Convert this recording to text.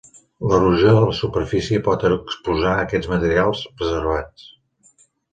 L'erosió de la superfície pot exposar aquests materials preservats.